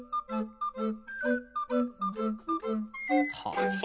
完成。